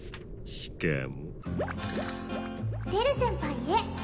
しかも「輝先輩へ」